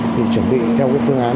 thì chuẩn bị theo phương án